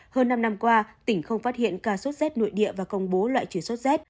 hơn năm năm qua tỉnh không phát hiện ca sốt z nội địa và công bố loại chuyển số z